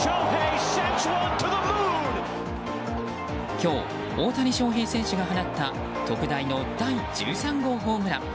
今日、大谷翔平選手が放った特大の第１３号ホームラン。